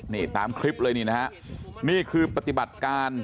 นี่ตามคลิปเลยนี่นะฮะนี่คือปฏิบัติการ